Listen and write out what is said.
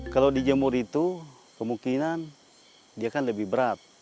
kalau dijemur itu kemungkinan dia kan lebih berat